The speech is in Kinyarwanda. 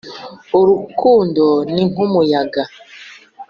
urukundo ni nkumuyaga,